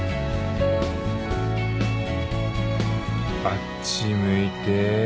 あっち向いて。